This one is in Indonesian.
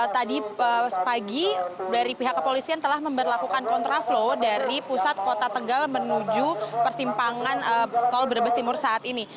tadi pagi dari pihak kepolisian telah memperlakukan kontraflow dari pusat kota tegal menuju persimpangan tol brebes timur saat ini